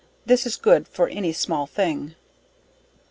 This is good for any small thing. No.